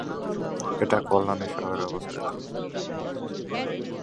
এটি কল্যাণী শহরে অবস্থিত।